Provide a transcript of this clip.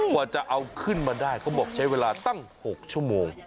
กว่าจะเอาขึ้นมาได้เขาบอกใช้เวลาตั้ง๖ชั่วโมง